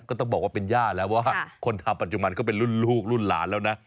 ก็ต้องบอกว่าเป็นย่าแล้วว่าคนทำปัจจุบันก็เป็นรุ่นลูกรุ่นหลานแล้วนะ